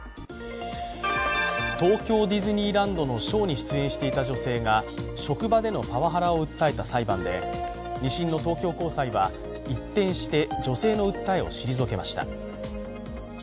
東京ディズニーランドのショーに出演していた女性が職場でのパワハラを訴えた裁判で２審の東京高裁は一転して女性の訴えを退けました。